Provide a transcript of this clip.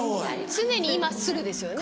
常に今すぐですよね。